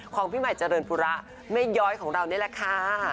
พี่ใหม่เจริญปุระแม่ย้อยของเรานี่แหละค่ะ